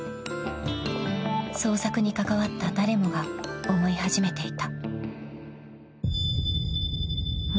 ［捜索に関わった誰もが思い始めていた］